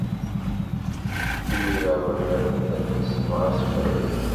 Imir-a, bɣiɣ-t ad yesbeɣ assefreg.